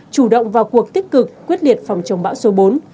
chủ động vào cuộc tích cực quyết liệt phòng chống bão số bốn